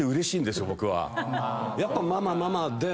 やっぱママママで。